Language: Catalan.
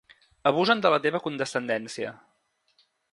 Abusen de la teva condescendència.